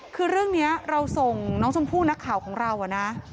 คือเรื่องนี้เราส่งน้องชมพู่นักข่าวของเรานะ